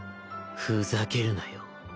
ふざけるなよ。